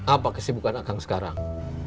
apa kesibukan akang sekarang